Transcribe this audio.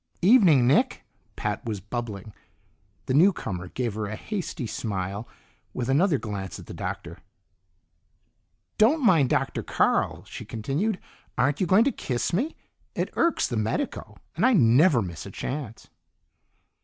"Evening, Nick," Pat was bubbling. The newcomer gave her a hasty smile, with another glance at the Doctor. "Don't mind Dr. Carl," she continued. "Aren't you going to kiss me? It irks the medico, and I never miss a chance."